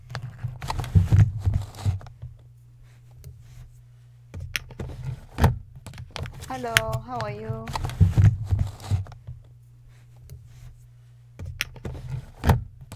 He received his PhD in Islamic Theology and Philosophy from the University of Tehran.